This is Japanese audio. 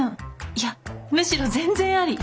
いやむしろ全然アリ。